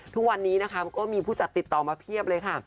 ทุกวันนี้นะคะก็มีผู้จัดติดต่อมาเพียบเลยค่ะ